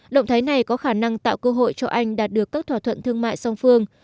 động thái này có khả năng tạo cơ hội cho anh đạt được các thỏa thuận thương mại song phương